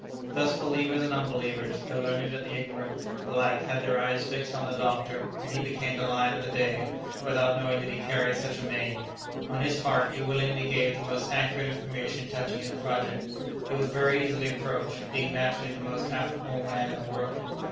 Thus, believers and unbelievers, the learned and the ignorant, alike had their eyes fixed on the doctor, and he became the lion of the day, without knowing that he carried such a mane. On his part, he willingly gave the most accurate information touching his project. He was very easily approached, being naturally the most affable man in the world.